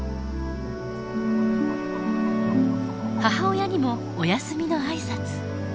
母親にもお休みの挨拶。